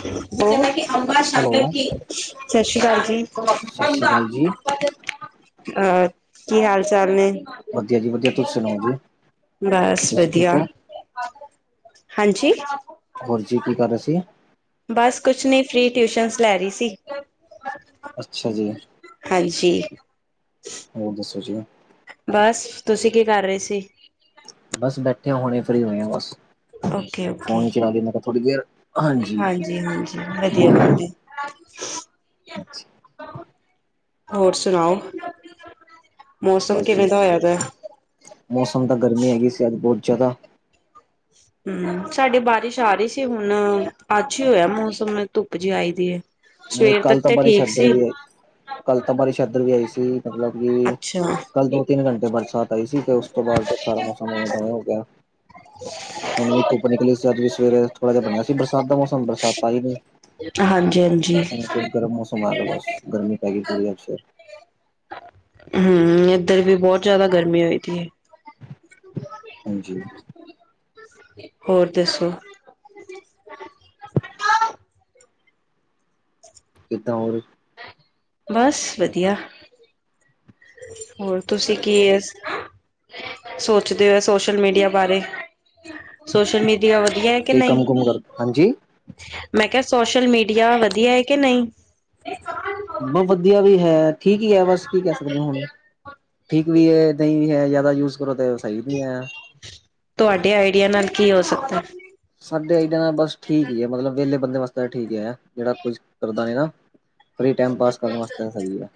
ਜਦੋਂ ਕਿ ਹੈਲੋ ਸਤਿ ਸ਼੍ਰੀ ਅਕਾਲ ਜੀ ਸਤਿ ਸ਼੍ਰੀ ਅਕਾਲ ਜੀ ਅਹ ਕੀ ਹਾਲ ਚਾਲ ਨੇ ਵਧੀਆ ਜੀ ਵਧੀਆ ਤੁਸੀਂ ਸੁਣਾਓ ਜੀ ਬਸ ਤੁਸੀਂ ਠੀਕ ਵਧੀਆ ਹੋ ਹਾਂਜੀ ਹੋਰ ਜੀ ਕੀ ਕਰ ਰਹੇ ਸੀ ਬਸ ਕੁਛ ਨਹੀਂ ਫ੍ਰਰੀ ਟਿਊਸ਼ਨਸ ਲੈ ਰਹੀ ਸੀ ਅੱਛਾ ਜੀ ਹਾਂਜੀ ਹੋਰ ਦੱਸੋ ਜੀ ਬਸ ਤੁਸੀਂ ਕੀ ਕਰ ਰਹੇ ਸੀ ਬਸ ਬੈਠੇ ਹੁਣੇ ਫਰੀ ਹੋਏ ਆ ਬਸ ਓਕੇ ਓਕੇ ਫੋਨ ਹੀ ਚਲਾ ਲਈ ਮੈਂ ਕਿਹਾ ਥੋੜ੍ਹੀ ਦੇਰ ਹਾਂਜੀ ਹਾਂਜੀ ਵਧੀਆ ਗੱਲ ਹੈ ਅੱਛਾ ਹੋਰ ਸੁਣਾਓ ਮੌਸਮ ਬਸ ਜੀ ਕਿਵੇਂ ਦਾ ਹੋਇਆ ਦਾ? ਮੌਸਮ ਤਾਂ ਗਰਮੀ ਹੈਗੀ ਸੀ ਅੱਜ ਬਹੁਤ ਜ਼ਿਆਦਾ ਹਮ ਸਾਡੀ ਬਾਰਿਸ਼ ਆ ਰਹੀ ਸੀ ਹੁਣ ਅੱਛ ਹੀ ਹੋਇਆ ਮੌਸਮ ਧੁੱਪ ਜਿਹੀ ਆਈ ਦੀ ਹੈ ਸਵੇਰ ਕੱਲ ਤੱਕ ਤਾਂ ਤੇ ਬਾਰਿਸ਼ ਠੀਕ ਇੱਧਰ ਸੀ ਵੀ ਆਈ ਕੱਲ ਤਾਂ ਬਾਰੀ ਇਧਰ ਵੀ ਆਈ ਸੀ ਮਤਲਬ ਕਿ ਅੱਛਾ। ਕੱਲ ਤੋਂ ਤਿੰਨ ਘੰਟੇ ਬਰਸਾਤ ਆਈ ਸੀ ਤੇ ਉਸ ਤੋਂ ਬਾਅਦ ਸਾਰਾ ਮੌਸਮ ਉਵੇਂ ਉਵੇਂ ਹੋ ਗਿਆ ਹੁਣ ਵੀ ਧੁੱਪ ਨਿਕਲੀ ਸੀ ਅੱਜ ਵੀ ਸਵੇਰੇ ਥੋੜ੍ਹਾ ਜਿਹਾ ਬਣਿਆ ਸੀ ਬਰਸਾਤ ਦਾ ਮੌਸਮ ਬਰਸਾਤ ਤਾਂ ਹੀ ਨਹੀਂ ਹਾਂਜੀ ਹਾਂਜੀ ਹੁਣ ਗਰਮ ਮੌਸਮ ਆ ਜਾ ਬਸ ਗਰਮੀ ਪੈਗੀ ਪੂਰੀ ਹੈ ਫੇਰ ਹਮ ਇੱਧਰ ਵੀ ਬਹੁਤ ਜ਼ਿਆਦਾ ਗਰਮੀ ਹੋਈ ਤ ਹੈ ਹਾਂਜੀ ਹੋਰ ਦੱਸੋ ਕਿੱਦਾਂ ਹੋਰ ਬਸ ਵਧੀਆ ਹੋਰ ਤੁਸੀਂ ਕੀ ਇਸ ਸੋਚਦੇ ਹੋਏ ਸੋਸ਼ਲ ਮੀਡੀਆ ਬਾਰੇ ਸੋਸ਼ਲ ਮੀਡੀਆ ਆ ਵਧੀਆ ਹੈ ਕਿ ਕੀ ਕੰਮ ਨਹੀਂ ਕੁਮ ਕਰ ਹਾਂਜੀ ਮੈਂ ਕਿਹਾ ਸੋਸ਼ਲ ਮੀਡੀਆ ਵਧੀਆ ਹੈ ਕਿ ਨਹੀਂ ਬਹੁਤ ਵਧੀਆ ਵੀ ਹੈ, ਠੀਕ ਹੀ ਹੈ, ਬਸ ਕੀ ਕਹਿ ਸਕਦੇ ਹੁਣ ਠੀਕ ਵੀ ਹੈ ਨਹੀਂ ਵੀ ਹੈ ਜ਼ਿਆਦਾ ਯੂਜ ਕਰੋ ਤੇ ਸਹੀ ਨੀ ਹੈ ਤੁਹਾਡੇ ਆਈਡੀਆ ਨਾਲ ਕੀ ਹੋ ਸਕਦਾ? ਸਾਡੇ ਇਡਾ ਦਾ ਬਸ ਠੀਕ ਹੀ ਆ, ਮਤਲਬ ਵਿਹਲੇ ਬੰਦੇ ਵਾਸਤੇ ਠੀਕ ਆ ਜਿਹੜਾ ਕੁਝ ਕਰਦਾ ਨੀ ਨਾ ਫਰੀ ਟਾਈਮ ਪਾਸ ਕਰਨ ਵਾਸਤੇ ਸਹੀ ਹੈ,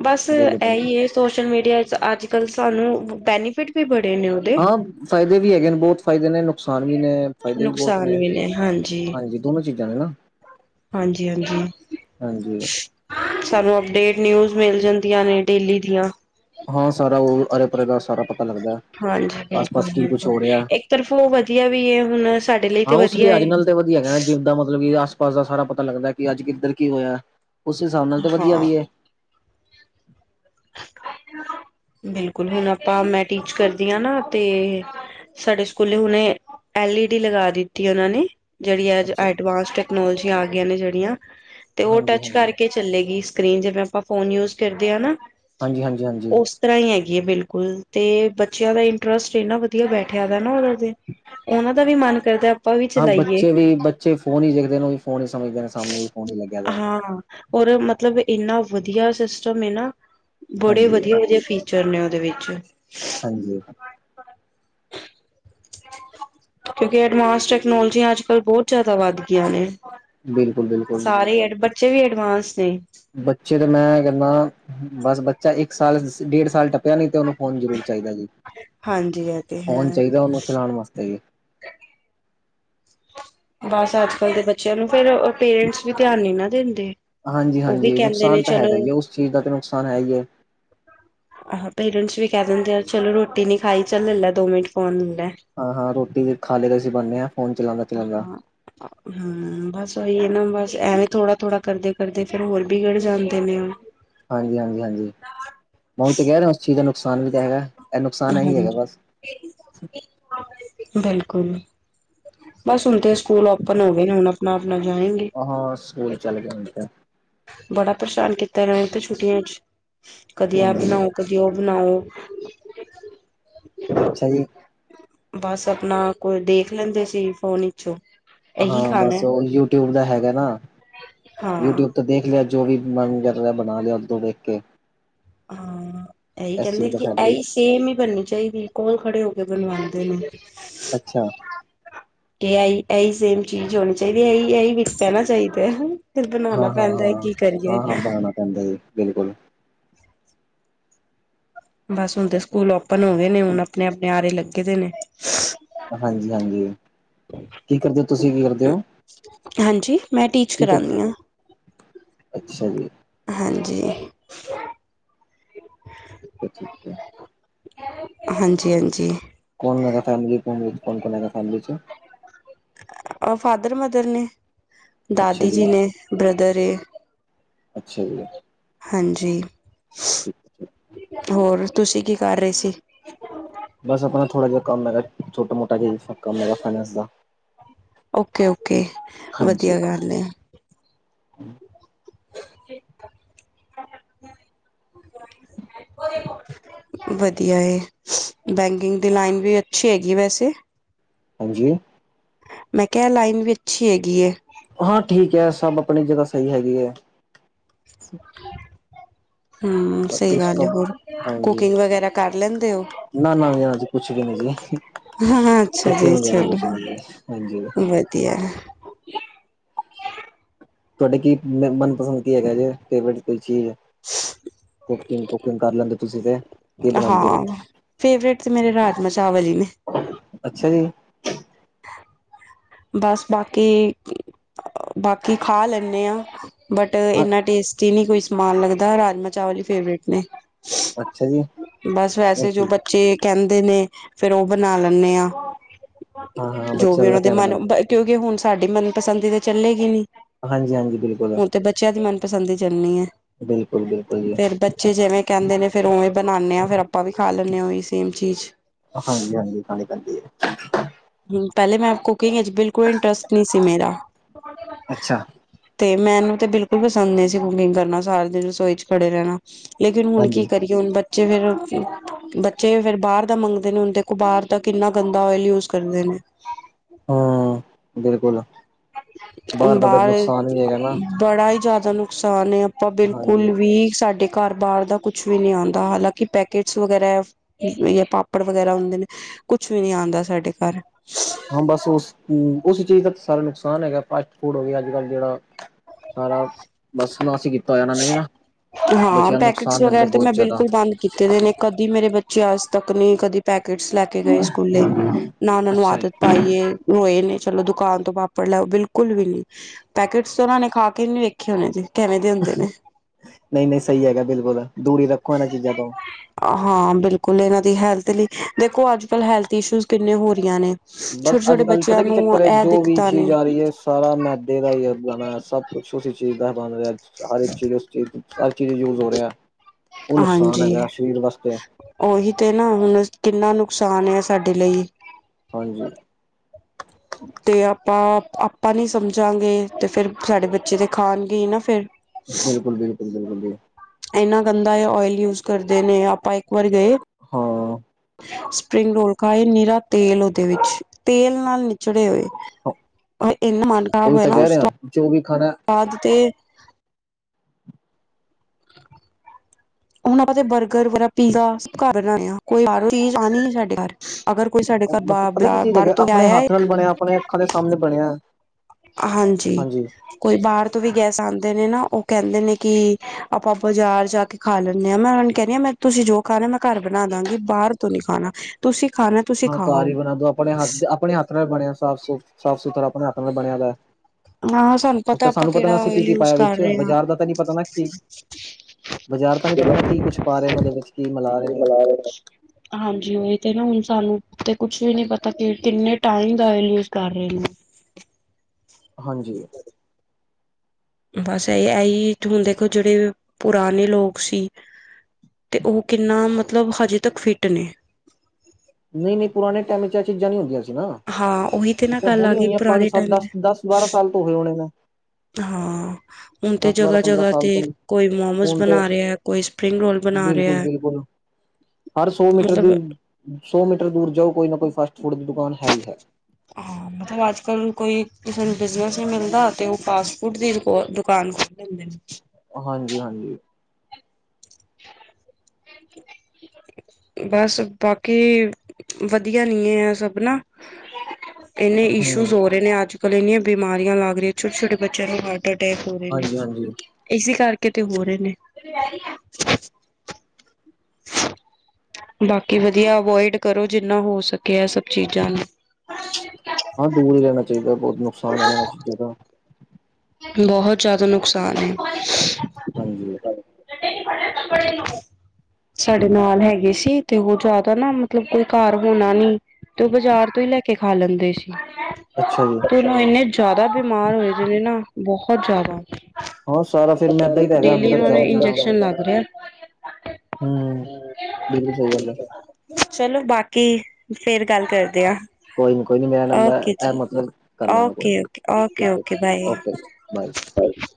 ਬਸ ਵਿਹਲੇ ਬੰਦੇ ਇਹੀ ਹੈ ਸੋਸ਼ਲ ਮੀਡੀਆ ਚ' ਅੱਜ ਕੱਲ੍ਹ ਸਾਨੂੰ ਬੈਨੀਫਿਟ ਵੀ ਬੜੇ ਨੇ ਉਹਦੇ ਹਾਂ ਫਾਇਦੇ ਵੀ ਹੈਗੇ ਨੇ ਬਹੁਤ ਫ਼ਾਇਦੇ ਨੇ ਨੁਕਸਾਨ ਵੀ ਨੇ, ਫ਼ਾਇਦੇ ਵੀ ਬਹੁਤ ਨੇ ਹਾਂਜੀ ਦੋਨੋ ਚੀਜ਼ਾਂ ਨੇ ਨਾ ਹਾਂਜੀ-ਹਾਂਜੀ, ਹਾਂਜੀ ਸਾਨੂੰ ਅਪਡੇਟ ਨਿਊਜ਼ ਮਿਲ ਜਾਂਦੀਆਂ ਨੇ ਡੇਲੀ ਦੀਆਂ ਹਾਂ ਸਾਰਾ ਉਹ ਉਰੇ ਪਰੇ ਦਾ ਸਾਰਾ ਪਤਾ ਲੱਗਦਾ, ਹਾਂਜੀ ਆਸ ਬਿਲਕੁਲ, ਪਾਸ ਕੀ ਕੁਛ ਬਿਲਕੁਲ ਹੋ ਰਿਹਾ ਇੱਕ ਤਰਫੋ ਉਹ ਵਧੀਆ ਵੀ ਹੈ ਹੁਣ ਸਾਡੇ ਲਈ ਤੇ ਲਈ ਵਧੀਆ ਅੱਜ ਏ। ਨਾਲ ਤੇ ਵਧੀਆ ਹੈਗਾ ਨਾ ਜੀਵ ਦਾ ਮਤਲਬ ਪਾਸ ਦਾ ਸਾਰਾ ਪਤਾ ਲੱਗਦਾ ਕਿ ਅੱਜ ਕਿੱਧਰ ਕੀ ਹੋਇਆ ਉਸ ਹਿਸਾਬ ਨਾਲ ਤੇ ਵਧੀਆ ਹਾਂ, ਵੀ ਹੈ। ਬਿਲਕੁਲ ਹੁਣ ਆਪਾਂ ਮੈਂ ਟੀਚ ਕਰਦੀ ਹਾਂ ਨਾ ਤੇ ਸਾਡੇ ਸਕੂਲੇ ਹੁਣੇ ਐਲਈ ਡੀ ਲਗਾ ਦਿੱਤੀ ਉਹਨਾਂ ਨੇ ਜਿਹੜੀ ਆ ਅੱਛਾ ਅਡਵਾਂਸ ਟੈਕਨੋਲੋਜ ਆ ਗਈਆਂ ਨੇ ਜਿਹੜੀਆਂ ਤੇ ਉਹ ਹਾਂਜੀ ਟੱਚ ਹਾਂਜੀ ਕਰਕੇ ਚੱਲੇਗੀ ਸਕਰੀਨ ਜਿਵੇਂ ਆਪਾਂ ਫੋਨ ਯੂਜ ਕਰਦੇ ਹਾਂ ਨਾ ਹਾਂਜੀ, ਹਾਂਜੀ, ਹਾਂਜੀ, ਉਸ ਤਰ੍ਹਾਂ ਹੀ ਹੈਗੀ ਹੈ ਬਿਲਕੁਲ, ਤੇ ਬੱਚਿਆਂ ਦਾ ਇੰਟਰਸਟ ਇੰਨਾ ਵਧੀਆ ਬੈਠਿਆ ਨਾ ਗਾ ਉਹਨਾ ਤੇ ਉਹਨਾਂ ਦਾ ਵੀ ਮਨ ਕਰਦਾ, ਵੀ ਹਾਂ ਚਲਾਈਏ ਬੱਚੇ ਵੀ, ਬੱਚੇ ਫੋਨ ਹੀ ਦੇਖਦੇ ਨੇ ਉਹ ਵੀ ਫੋਨ ਹੀ ਸਮਝਦੇ ਨੇ ਸਾਮਣੇ ਹੀ ਫੋਨ ਹੀ ਲੱਗਿਆ ਹੈ ਹਾਂ ਔਰ ਮਤਲਬ ਇੰਨਾ ਵਧੀਆ ਸਿਸਟਮ ਹੈ ਨਾ, ਬੜੇ ਹਾਂਜੀ ਵਧੀਆ ਵਧੀਆ ਝਰਨਿਆਂ ਦੇ ਵਿੱਚ, ਹਾਂਜੀ, ਕਿਉਂਕਿ ਅਡਵਾਂਸ ਟੈਕਨੋਲੋਜੀ ਅੱਜ ਕੱਲ੍ਹ ਬਹੁਤ ਜਿਆਦਾ ਵੱਧ ਗਈਆਂ ਨੇ ਬਿਲਕੁਲ, ਬਿਲਕਲ ਸਾਰੇ ਬੱਚੇ ਵੀ ਐਡਵਾਂਸ ਨੇ, ਬੱਚੇ ਤੇ ਮੈਂ ਕਹਿੰਦਾ, ਬਸ ਬੱਚਾ ਇੱਕ ਸਾਲ ਡੇਢ ਸਾਲ ਟੱਪਿਆ ਨੀ ਤੇ ਉਹਨੂੰ ਫੋਨ ਜ਼ਰੂਰ ਚਾਹੀਦਾ ਜੀ, ਹਾਂਜੀ ਇਹ ਤੇ ਫੋਨ ਹੈ ਚਾਹੀਦਾ ਉਹਨੂੰ ਚਲਾਉਣ ਵਾਸਤੇ ਜੀ, ਬਸ ਅੱਜ ਕੱਲ ਦੇ ਬੱਚਿਆਂ ਨੂੰ ਫੇਰ ਪੇਰੈਂਟਸ ਵੀ ਧਿਆਨ ਨੀ ਨਾ ਦਿੰਦੇ, ਹਾਂਜੀ ਉਹ ਵੀ ਹਾਂਜੀ ਕਹਿੰਦੇ ਨੇ ਨੁਕਸਾਨ ਤਾਂ ਹੈਗਾ ਹੀ ਆ ਉਸ ਚੀਜ਼ ਦਾ ਤਾਂ ਨੁਕਸਾਨ ਹੈ ਹੀ ਹੈ, ਉੱਤਮ ਆਹੋ ਪੇਰੈਂਟਸ ਵੀ ਕਹਿ ਦਿੰਦੇ ਆ ਚਲੋ ਰੋਟੀ ਨੀ ਖਾਈ ਚੱਲ ਲੈਲਾ ਦੋ ਮਿੰਟ ਫੋਨ ਲੈਲਾ ਹਾਂ ਹਾਂ ਰੋਟੀ ਖਾ ਲੇ ਅਸੀਂ ਬਣਨੇ ਹਾਂ ਫੋਨ ਚਲਾਂਦਾ ਹਾਂ ਹੂੰ ਬਸ ਉਹੀ ਹੈ ਨਾ ਬਸ ਐਵੇਂ ਥੋੜਾ ਥੋੜ੍ਹਾ ਕਰਦੇ ਕਰਦੇ ਫੇਰ ਹੋਰ ਵਿਗੜ ਜਾਂਦੇ ਨੇ ਉਹ ਹਾਂਜੀ, ਹਾਂਜੀ, ਹਾਂਜੀ ਮੈਂ ਤਾਂ ਕਹਿ ਰਿਹਾ ਉਸ ਚੀਜ਼ ਦਾ ਨੁਕਸਾਨ ਵੀ ਤਾਂ ਹੈਗਾ ਇਹ ਨੁਕਸਾਨ ਇਹੀ ਹੈਗਾ ਹਾਂਜੀ ਬਸ ਬਿਲਕੁਲ ਬਸ ਹੁਣ ਤੇ ਸਕੂਲ ਓਪਨ ਹੋ ਗਏ ਨੇ ਹੁਣ ਆਪਣਾ ਆਪਣਾ ਜਾਏਗੇ ਬਸ ਸਕੂਲ ਚਲ ਗੇ ਹੁਣ ਤਾਂ ਬੜਾ ਪਰੇਸ਼ਾਨ ਕੀਤਾ ਇਹਨਾਂ ਨੇ ਛੁੱਟੀਆਂ ਚ'ਕਦੀ ਐ ਹਾਂਜੀ ਬਣਾਓ, ਕਦੇ ਉਹ ਬਣਾਓ। ਅੱਛਾ ਜੀ, ਬਸ ਆਪਣਾ ਕੋਈ ਦੇਖ ਲੈਂਦੇ ਸੀ ਫੋਨ ਵਿੱਚੋਂ, ਇਹੀ ਹਾਂ ਬਸ ਖਾਣਾ ਉਹ ਯੂ ਟਿਊਬ ਦਾ ਹੈਗਾ ਨਾ, ਯੂ ਹਾਂ। ਟਿਊਬ ਦੇਖ ਲਿਆ ਜੋ ਵੀ ਮਨ ਕਰ ਰਿਹਾ ਬਣਾ ਲਿਆ ਓਹਤੋ ਦੇਖ ਕੇ ਹਾਂ ਇਹੀ ਇਸ ਕਹਿੰਦੇ ਚੀਜ਼ ਦਾ ਕਿ ਫਾਇਦਾ ਵੀ ਇਹੀ ਸੇਮ ਹੀ ਬਣਨੀ ਚਾਹੀਦੀ। ਕੋਲ ਖੜੇ ਹੋ ਕੇ ਬਣਵਾਉਂਦੇ ਨੇ। ਅੱਛਾ ਕਿ ਇਹੀ ਇਹੀ ਸੇਮ ਚੀਜ਼ ਹੋਣੀ ਚਾਹੀਦੀ ਏ ਇਹੀ ਇਹੀ ਵਿੱਚ ਰਹਿਣਾ ਚਾਹੀਦਾ ਏ। ਫਿਰ ਬਣਾਉਣਾ ਪੈਂਦਾ ਹੈ ਕੀ ਕਰੀਏ। ਜਾਣਾ ਪੈਂਦਾਈ ਹੈ। ਬਿਲਕੁਲ ਬਸ ਹੁਣ ਤੇ ਸਕੂਲ ਓਪਨ ਹੋ ਗਏ ਨੇ ਹੁਣ ਆਪਣੇ ਆਪਣੇ ਆਰੇ ਲੱਗੇ ਦੇ ਨੇ। ਹਾਂਜੀ ਹਾਂਜੀ ਕੀ ਕਰਦੇ ਹੋ ਤੁਸੀਂ ਕੀ ਕਰਦੇ ਹੋ। ਹਾਂਜੀ ਮੈਂ ਟੀਚ ਕੀ ਕਰਦੇ ਕਰਉਂਦੀ ਹਾਂ। ਅੱਛਾ ਜੀ। ਹਾਂਜੀ ਠੀਕ ਹੈ ਠੀਕ ਹੈ ਹਾਂਜੀ ਹਾਂਜੀ ਕੌਣ ਹੈਗਾ ਫੈਮਿਲੀ ਚ ਕੌਣ ਕੌਣ ਹੈਗਾ ਫੈਮਲੀ ਚ ਫਾਦਰ ਮਦਰ ਨੇ, ਦਾਦੀ ਜੀ ਨੇ, ਬ੍ਰਦਰ ਏ, ਅੱਛਾ ਜੀ ਹਾਂਜੀ, ਠੀਕ ਹੈ ਠੀਕ ਹੋਰ ਤੁਸੀਂ ਕੀ ਕਰ ਰਹੇ ਸੀ? ਬਸ ਆਪਣਾ ਥੋੜਾ ਜਿਹਾ ਕੰਮ ਹੈਗਾ ਛੋਟਾ ਮੋਟਾ ਜਿਹਾ ਕੰਮ ਹੈਗਾ ਫਾਈਨੈਂਸ ਦਾ ਓਕੇ ਓਕੇ ਹਾਂਜੀ ਵਧੀਆ ਗੱਲ ਹੈ, [inaudible] ਵਧੀਆ ਏ, ਬੈਂਕਿੰਗ ਦੀ ਲਾਈਨ ਵੀ ਅੱਛੀ ਹੈਗੀ ਵੈਸੇ। ਹਾਂਜੀ ਮੈਂ ਕਿਹਾ ਲਾਈਨ ਵੀ ਅੱਛੀ ਹੈਗੀ ਏ। ਹਾਂ ਠੀਕ ਹੈ ਸਭ ਆਪਣੀ ਜਗ੍ਹਾ ਸਹੀ ਹੈਗੇ ਹੈ। ਹੂੰ, ਬਾਕੀ ਸਹੀ ਉਸ ਗੱਲ ਏ ਤੋਂ ਹੋਰ ਹਾਂਜੀ ਕੁਕਿੰਗ ਵਗੈਰਾ ਕਰ ਲੈਂਦੇ ਹੋ। ਨਾ ਨਾ ਜੀ ਅਜ ਕੁਛ ਵੀ ਨੀ ਜੀ। ਹਾਂ ਅੱਛਾ ਕੁਕਿੰਗ ਜੀ ਵਗੈਰਾ ਕੁਛ ਨਹੀ ਜੀ ਹਾਂਜੀ ਤੀ ਆ [unintelligible] ਤੁਹਾਡੇ ਕੀ ਮਨਪਸੰਦ ਕੀ ਹੈਗਾ ਜੇ ਫੇਵਰਿਟ ਕੋਈ ਚੀਜ਼ ਕੁਕਿੰਗ- ਕੁਕਿੰਗ ਕਰ ਲੈਂਦੇ ਤੁਸੀਂ ਤੇ ਕੀ ਬਣਾਉਂਦੇ ਹੋ। ਹਾਂ ਫੇਵਰੇਟ 'ਚ ਮੇਰੇ ਰਾਜਮ ਚਾਵਲ ਹੀ ਨੇ। ਅੱਛਾ ਜੀ ਬਸ ਬਾਕੀ ਬਾਕੀ ਖਾ ਲੈਂਦੇ ਹਾਂ ਬਟ ਹਾਂ ਇੰਨਾ ਟੇਸਟੀ ਨਹੀਂ ਕੋਈ ਸਮਾਨ ਲੱਗਦਾ ਰਾਜਮਾ ਚਾਵਲ ਹੀ ਫੇਵਰੇਟ ਨੇ। ਅੱਛਾ ਜੀ ਬਸ ਵੈਸੇ ਜੋ ਠੀਕ ਬੱਚੇ ਕਹਿੰਦੇ ਨੇ ਫਿਰ ਉਹ ਬਣਾ ਲੈਂਨੇ ਆਂ। ਹਾਂ ਹਾਂ ਜੋ ਬੱਚਿਆਂ ਵੀ ਦਾ ਉਹਨਾਂ ਦੇ ਕਹਿਣਾ ਮਨ ਪੈਂਦਾ ਕਿਉਂਕਿ ਹੁਣ ਸਾਡੀ ਮਨਪਸੰਦੀ ਤਾਂ ਚੱਲੇਗੀ ਨੀ। ਹਾਂਜੀ ਹਾਂਜੀ ਬਿਲਕੁਲ ਹੁਣ ਤੇ ਬੱਚਿਆਂ ਦੀ ਮਨਪਸੰਦ ਚੱਲਣੀ ਏ ਬਿਲਕੁਲ ਬਿਲਕੁਲ ਜੀ ਫੇਰ ਤੇ ਬੱਚੇ ਜਿਵੇਂ ਕਹਿੰਦੇ ਨੇ ਫਿਰ ਉਵੇਂ ਬਣਾਉਂਨੇ ਹਾਂ ਫਿਰ ਆਪਾਂ ਵੀ ਖਾ ਲੈਂਦੇ ਆਂ ਉਹੀ ਸੇਮ ਚੀਜ਼। ਹਾਂਜੀ ਹਾਂਜੀ ਖਾਣੀ ਪੈਂਦੀ ਏ। ਹੂੰ ਪਹਿਲੇ ਮੈਂ ਕੁਕਿੰਗ ਵਿਚ ਬਿਲਕੁਲ ਇੰਟਰਸਟ ਨਹੀਂ ਸੀ ਮੇਰਾ ਅੱਛਾ ਤੇ ਮੈਨੂੰ ਤੇ ਬਿਲਕੁਲ ਪਸੰਦ ਨਹੀਂ ਸੀ ਕੁਕਿੰਗ ਕਰਨਾ ਸਾਰੇ ਦਿਨ ਰਸੋਈ ਚ ਖੜੇ ਰਹਿਣਾ। ਲੇਕਿਨ ਹੁਣ ਕੀ ਹਾਂਜੀ ਕਰੀਏ ਹੁਣ ਬ ਬੱਚੇ ਫਿਰ ਬੱਚੇ ਫਿਰ ਬਾਹਰ ਦਾ ਮੰਗਦੇ ਨੇ ਹੁਣ ਦੇਖੋ ਬਾਹਰ ਦਾ ਕਿੰਨਾ ਗੰਦਾ ੳਇਲ ਯੂਜ ਕਰਦੇ ਨੇ। ਹਾ ਬਿਲਕੁਲ। ਹੁਣ ਦਾ ਫਿਰ ਬਾਹਰ ਨੁਕਸਾਨ ਵੀ ਹੈਗਾ ਨਾ ਬੜਾ ਹੀ ਜ਼ਿਆਦਾ ਨੁਕਸਾਨ ਏ ਆਪਾਂ ਹਾਂਜੀ ਬਿਲਕੁਲ ਵੀ ਸਾਡੇ ਘਰ ਬਾਹਰ ਦਾ ਕੁਛ ਵੀ ਨਹੀਂ ਆਉਂਦਾ ਹਾਲਾਂਕਿ ਪੈਕਟਸ ਵਗੈਰਾ ਯਾਂ ਪਾਪੜ ਵਗੈਰਾ ਹੁੰਦੇ ਨੇ। ਕੁਛ ਵੀ ਨਹੀਂ ਆਉਂਦਾ ਸਾਡੇ ਘਰ ਹਾਂ ਬਸ ਉਸ- ਉਸ ਚੀਜ਼ ਦਾ ਤੇ ਸਾਰਾ ਨੁਕਸਾਨ ਹੈਗਾ ਫਾਸਟ- ਫੂਡ ਹੋ ਗਿਆ ਅੱਜ ਕੱਲ ਜਿਹੜਾ ਸਾਰਾ ਬਸ ਨਾਸ ਇ ਕੀਤਾ ਇਹਨਾਂ ਨੇ ਐ। ਹਾਂ ਪੈਕਟਸ ਵਗੈਰਾ ਤੇ ਮੈਂ ਜ਼ਿਆਦਾ ਬਿਲਕੁਲ ਬੰਦ ਕੀਤੇ ਦੇ ਨੇ ਕਦੀ ਮੇਰੇ ਬੱਚ ਚੇ ਅੱਜ ਤੱਕ ਨਹੀਂ ਕਦੇ ਪੈਕੇਟਸ ਲੈ ਕੇ ਗਏ ਸਕੂਲੇ ਨਾ ਉਹਨਾਂ ਨੂੰ ਅੱਛਾ ਜੀ ਆਦਤ ਪਾਈਏ। ਹੋਏ ਨੇ ਚਲੋ ਦੁਕਾਨ ਤੋਂ ਪਾਪੜ ਲੈਓ ਬਿਲਕੁਲ ਵੀ ਨੀ ਪੈਕਟਸ ਉਹਨਾਂ ਨੇ ਖਾ ਕੇ ਕਿੰਨੇ ਵੇਖੇ ਹੋਣੇ ਜੇ ਕੈਵੇਂ ਜੇ ਹੁੰਦੇ ਨੇ। ਨਹੀਂ- ਨਹੀਂ ਸਹੀ ਹੈਗਾ ਬਿਲਕੁਲ ਦੂਰੀ ਰੱਖੋ ਇਹਨਾਂ ਚੀਜ਼ਾਂ ਤੋਂ ਹਾਂ ਬਿਲਕੁਲ ਇਹਨਾਂ ਦੀ ਹੈਲਥ ਲਈ ਦੇਖੋ ਅੱਜ ਕੱਲ ਹੈਲਥ ਇਸ਼ੂਜ ਕਿੰਨੇ ਹੋ ਰਹੀਆਂ ਨੇ। ਬਸ ਛੋਟੇ ਅੱਜ ਛੋਟੇ ਕੱਲ ਪਤਾ ਬੱਚਿਆਂ ਕੀ ਨੂੰ ਚੱਕਰ ਹੈ ਇਹ ਜੋ ਵੀ ਦਿੱਕਤਾਂ ਚੀਜ਼ ਨੇ ਆ ਰਹੀ ਏ। ਸਾਰਾ ਮੈਦੇ ਦਾ ਈ ਐ ਬਣਾ ਸਭ ਕੁਛ ਉਸੀ ਚੀਜ਼ ਦਾ ਹੀ ਬਣ ਰਿਹਾ ਹਰ ਇੱਕ ਚੀਜ਼ ਉਸ ਚੀਜ਼ ਹਰ ਇਕ ਚੀਜ਼ ਯੂਜ ਹੋ ਰਿਹਾ ਉਹ ਨੁਕਸਾਨ ਹਾਂਜੀ ਹੈਗਾ ਸ਼ਰੀਰ ਵਾਸਤੇ ਉਹੀ ਤੇ ਨਾ ਹੁਣ ਕਿੰਨਾ ਨੁਕਸਾਨ ਹੈ ਸਾਡੇ ਲਈ ਹਾਂਜੀ [inaudible] ਤੇ ਆਪਾਂ- ਆਪਾਂ ਨੀ ਸਮਝਾਂਗੇ ਤੇ ਫਿਰ ਸਾਡੇ ਬੱਚੇ ਤੇ ਖਾਣਗੇ ਹੀ ਨਾ ਫਿਰ ਬਿਲਕੁਲ- ਬਿਲਕੁਲ -ਬਿਲਕੁਲ ਜੀ। ਇੰਨਾ ਗੰਦਾ ਓਇਲ ਯੂਜ ਕਰਦੇ ਨੇ ਆਪਾਂ ਇੱਕ ਵਾਰ ਗਏ। ਹਾਂ ਸਪਰਿੰਗ ਰੋਲ ਖਾਏ ਨਿਰਾ ਤੇਲ ਉਹਦੇ ਵਿੱਚ ਤੇਲ ਨਾਲ ਨਿਚੜੇ ਹੋਏ। ਓ ਇੰਨਾ ਉਹੀ ਤਾਂ ਕਹਿ ਰਿਹਾ ਜੋ ਵੀ ਖਾਣਾ ਐ। ਬਾਦ ਤੇ [inaudible] ਹੁਣ ਆਪਾਂ ਜੇ ਬਰਗਰ ਵਗੈਰਾ ਪੀਜ਼ਾ ਅਸੀ ਘਰ ਬਣਾ ਨੇ ਆ ਬਾਰੋਂ ਕੋਈ ਚੀਜ਼ ਆਣੀ ਨੀ ਸਾਡੇ ਘਰ ਅਗਰ ਕੋਈ ਸਾਡੇ ਘਰ ਮਤਲਬ ਪਤਾ ਕੀ ਚੀਜ਼ ਹੈਗੀ ਬਾਹਰ ਹੈ ਤੋਂ ਆਪਣੇ ਆਇਆ ਹੱਥ ਨਾਲ ਬਣਿਆ ਆਪਣੇ ਅੱਖਾਂ ਦੇ ਸਾਹਮਣੇ ਬਣਿਆ। ਹਾਂਜੀ ਕੋਈ ਬਾਹਰ ਤੋਂ ਵੀ ਗੈੱਸਟ ਆਉਂਦੇ ਨੇ ਨਾ ਉਹ ਕਹਿੰਦੇ ਨੇ ਕਿ ਆਪਾਂ ਬਾਜ਼ਾਰ ਜਾ ਕੇ ਖਾ ਲੈਂਨੇ ਹਾਂ ਮੈਂ ਉਹ ਨੂੰ ਕਹਿਣੀ ਆ ਮੈਂ ਤੁਸੀਂ ਜੋ ਖਾਣਾ ਮੈਂ ਘਰ ਬਣਾ ਦਾਂਗੀ ਬਾਹਰ ਤੋਂ ਨੀ ਖਾਣਾ। ਤੁਸੀਂ ਖਾਣਾ ਤ ਹਾਂ ਘਾਰ ਹੀ ਬਣਾ ਦੋ ਆਪਣੇ ਹੱਥ -ਆਪਣੇ ਹੱਥ ਨਾਲ ਬਣਿਆ ਸਾਫ਼- ਸੁਫ਼, ਸਾਫ਼- ਸੁਥਰਾ ਆਪਣੇ ਹੱਥ ਨਾਲ ਬਣਿਆ ਦਾ। ਹਾਂ ਸਾਨੂੰ ਤਾਂ ਆਪਾਂ ਸਾਨੂੰ ਪਤਾ ਨਾ ਕਿਹੜਾ ਅਸੀ ਓਇਲ ਕੀ- ਕੀ ਯੂਜ ਪਾਇਆ ਕਰ ਵਿਚ ਰਹੇ ਹਾਂ ਬਾਜ਼ਾਰ ਦਾ ਤਾਂ ਨਹੀਂ ਪਤਾ ਨਾ ਕੀ ਬਜ਼ਾਰ ਤਾਂ ਨਹੀਂ ਪਤਾ ਨਾ ਕੀ ਕੁਛ ਪਾ ਰਹੇ ਉਦੇ ਵਿੱਚ ਕੀ ਮਿਲਾ ਰਹੇ ਨੇ। ਹਾਂਜੀ, ਉਹੀ ਤੇ ਨਾ ਹੁਨ ਸਾਨੂੰ ਤੇ ਕੁਛ ਵੀ ਨੀ ਪਤਾ ਕਿ ਕਿੰਨੇ ਟਾਈਮ ਦਾ ਯੂਜ ਕਰ ਰਹੇ ਨੇ? ਹਾਂਜੀ ਬਸ ਇਹ- ਇਹੀ ਕਿ ਹੁਣ ਦੇਖੋ ਜੇਹੜੇ ਪੁਰਾਣੇ ਲੋਕ ਸੀ। ਤੇ ਉਹ ਕਿੰਨਾ ਮਤਲਬ ਹਜੇ ਤੱਕ ਫਿੱਟ ਨੇ। ਨਹੀਂ- ਨਹੀਂ ਪੁਰਾਣੇ ਟਾਈਮ 'ਚ ਏਹ ਚੀਜ਼ਾਂ ਨਹੀਂ ਹੁੰਦੀਆਂ ਸੀ। ਨਾ ਹਾਂ ਉਹੀ ਨਾ ਤੇ ਗੱਲ ਹੁਣ ਆ ਈ ਗਈ ਹੋਈਆਂ ਪੰਜ ਪੁਰਾਣੇ ਸੱਤ ਟਾਈਮ ਦਸ ਦਸ ਬਾਰਾਂ ਸਾਲ ਤੋਂ ਹੋਏ ਹੋਣਗੇ। ਹਾਂ ਹੁਣ ਤੇ ਜਗ੍ਹਾ- ਪੰਦਰਾਂ ਜਗ੍ਹਾ ਤੇ ਸਾਲ ਤੋਂ ਕੋਈ ਮੋਮਸ ਹੁਣ ਤੇ ਬਣਾ ਰਿਹਾ। ਕੋਈ ਸਪਰਿੰਗ ਰੋਲ ਬਣਾ ਬਿਲਕੁਲ ਰਿਹਾ। ਬਿਲਕੁਲ ਹਰ ਸੌ ਮੀਟਰ ਮਤਲਬ ਦੀ, ਸੌ ਮੀਟਰ ਦੂਰ ਜਾਓ ਕੋਈ ਨਾ ਕੋਈ ਫਾਸਟ ਫੂਡ ਦੀ ਦੁਕਾਨ ਹੈ ਹੀ ਹੈ। ਹਾਂ, ਮਤਲਬ ਅੱਜ-ਕੱਲ ਕੋਈ ਕਿਸੇ ਨੂੰ ਬਿਜਨਸ ਨੀ ਮਿਲਦਾ ਤੇ ਉਹ ਫਾਸਟ ਫੂਡ ਦੀ ਦੁਕਾ ਦੁਕਾਨ। [unintelligible] ਹਾਂਜੀ-ਹਾਂਜੀ। [unintelligible] ਬਸ, ਬਾਕੀ ਵਧੀਆ ਨੀ ਐ, ਐ ਸਭ ਨਾ। ਇੰਨੇ ਹੂੰ ਇਸ਼ੂਜ ਹੋ ਰਹੇ ਨੇ ਅੱਜ-ਕੱਲ, ਇੰਨੀਆਂ ਬਿਮਾਰੀਆਂ ਲੱਗ ਰਿਯਾ ਛੋਟੇ-ਛੋਟੇ ਬੱਚਿਆਂ ਨੂੰ [unintelligible] ਤੇ ਅਟੈਕ ਹੋ ਰੇ ਨੇ, ਹਾਂਜੀ ਹਾਂਜੀ ਇਸੀ ਕਰਕੇ ਤੇ ਹੋ ਰੇ ਨੇ। [inaudible] ਬਾਕੀ ਵਧੀਆ, ਅਵੋਇਡ ਕਰੋ ਜਿੰਨਾ ਹੋ ਸਕੇ ਐ ਸਭ ਚੀਜ਼ਾਂ ਨੂ। [inaudible] ਹਾਂ ਦੂਰ ਈ ਰੈਨਾ ਚਾਈਦਾ, ਬੋਤ ਨੁਕਸਾਨ ਹੈ ਐਨਾ ਚੀਜ਼ਾਂ ਦਾ। ਬੋਹਤ ਜਾਦਾ ਨੁਕਸਾਨ ਏ। ਹਾਂਜੀ। [unintelligible] ਸਾਡੇ ਨਾਲ ਹੈਗੇ ਸੀ ਤੇ ਉਹ ਜਾਦਾ ਨਾ ਮਤਲਬ ਕੋਈ ਘਰ ਹੋਨਾਂ ਨੀ ਤੇ ਬਾਜ਼ਾਰ ਤੋਂ ਈ ਲੈ ਕੇ ਖਾ ਲੈਂਦੇ ਸੀ। ਅੱਛਾ ਜੀ। ਹੁਨ ਏਨੇ ਜਾਦਾ ਬਿਮਾਰ ਹੋਏ ਦੇ ਨੇ ਨਾ, ਬੋਹਤ ਜਾਦਾ। ਹਾਂ ਸਾਰਾ ਫਿਰ ਮੈਦਾ ਹੀ ਪੈ ਗਿਆ ਡੇਲੀ ਅੰਦਰ ਓਨਾਂ ਨੂੰ ਜੰਮ ਜਾਣਾ ਉਹਨੇ ਇੰਜੈਕਸ਼ਨ ਲੱਗ ਰੇਯਾ। ਹੂੰ ਬਿਲਕੁਲ ਸਹੀ ਗੱਲ ਹੈ [unintelligible] ਚਲੋ ਬਾਕੀ ਫੇਰ ਗੱਲ ਕਰਦੇ ਆਂ। ਕੋਈ ਨੀ ਕੋਈ ਨੀ ਮੇਰਾ ਨੰਬਰ ਓਕੇ ਇਹ ਜੀ, ਮਤਲਬ ਕਰ ਲੈਣਾ ਕੋਈ ਨੀ ਓਕੇ-ਓਕੇ, ਠੀਕ ਹੈ ਓਕੇ-ਓਕੇ ਬਾਏ। Okay bye [unintelligible]